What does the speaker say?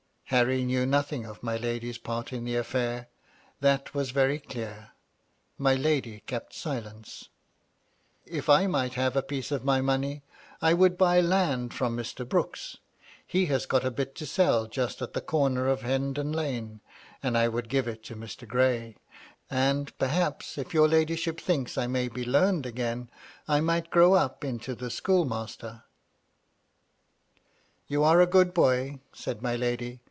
Harry knew nothing of my lady's part in the affair ; that was very clear. My lady kept silence. " If I might have a piece of my money, I would buy land from Mr. Brooke : he has got a bit to sell just at the comer of Hendon Lane, and I would give it to Mr. Gray ; and, perhaps, if your ladyship thinks I may be learned again, I might grow up into the schoolmaster." " You are a good boy," said my lady.